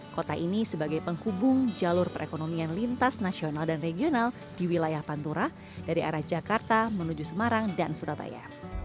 kota ini sebagai penghubung jalur perekonomian lintas nasional dan regional di wilayah pantura dari arah jakarta menuju semarang dan surabaya